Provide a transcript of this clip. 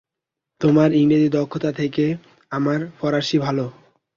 তোমার ইংরেজি দক্ষতা থেকে আমার ফরাসি ভালো।